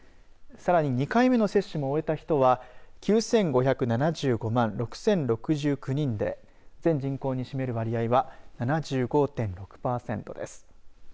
さらに２回目の接種も終えた人は９５７５万６０６９人で全人口に占める割合は７５．６パーセントです。